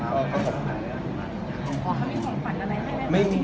แค่ความพูดเราก็โอเคแล้วตอนนี้ก็ไม่ต้องขอ